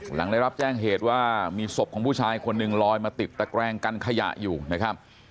หลังได้รับแจ้งเหตุว่ามีศพของผู้ชายคนหนึ่งลอยมาติดตะแกรงกันขยะอยู่นะครับ